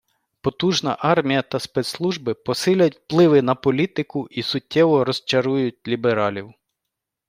Потужна армія та спецслужби посилять впливи на політику і суттєво розчарують лібералів.